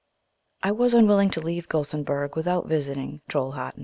I was unwilling to leave Gothenburg without visiting Trolhættæ.